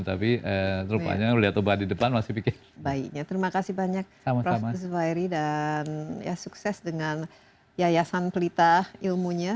tapi banyak prof zubairi dan sukses dengan yayasan pelita ilmunya